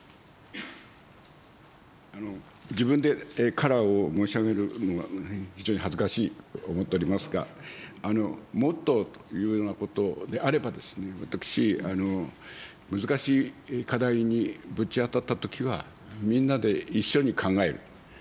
自分でカラーを申し上げるのは、非常に恥ずかしいと思っておりますが、モットーというようなことであれば、私、難しい課題にぶち当たったときは、みんなで一緒に考える。